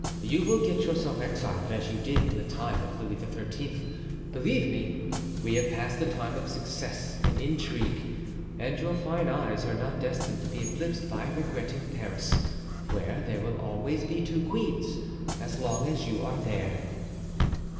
You will get yourself exiled, as you did in the time of Louis XIII. Believe me, we have passed the time of success in intrigue, and your fine eyes are not destined to be eclipsed by regretting Paris, where there will always be two queens as long as you are there."